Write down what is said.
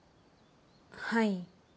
はい。